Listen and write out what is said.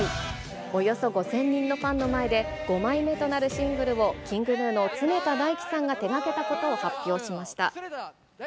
およそ５０００人のファンの前で、５枚目となるシングルを、ＫｉｎｇＧｎｕの常田大希さんが手がけたことを発表しました。